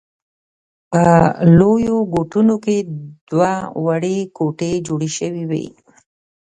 په لویو ګټونو کې دوه وړې کوټې جوړې شوې وې.